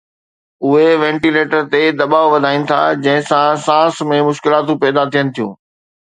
اهي وينٽيليٽر تي دٻاءُ وڌائين ٿا جنهن سان سانس ۾ مشڪلاتون پيدا ٿين ٿيون